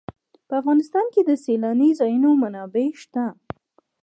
په افغانستان کې د سیلانی ځایونه منابع شته.